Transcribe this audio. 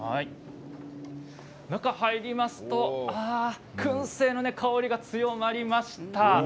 中に入りますとくん製の香りが強まりました。